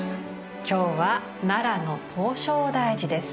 今日は奈良の唐招提寺です。